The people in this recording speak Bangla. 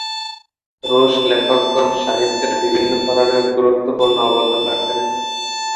রুশ লেখকগণ সাহিত্যের বিভিন্ন ধরনে গুরুত্বপূর্ণ অবদান রাখেন।